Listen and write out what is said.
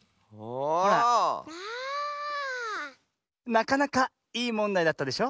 なかなかいいもんだいだったでしょ。